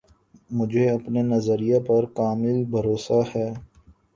مجھے اپنے نظریہ پر کامل بھروسہ ہے